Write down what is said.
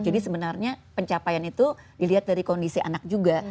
sebenarnya pencapaian itu dilihat dari kondisi anak juga